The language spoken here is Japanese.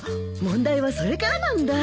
問題はそれからなんだ。